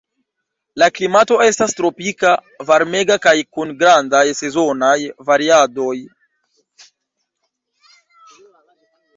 La klimato estas tropika, varmega kaj kun grandaj sezonaj variadoj.